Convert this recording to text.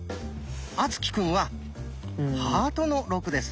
敦貴くんはハートの「６」です。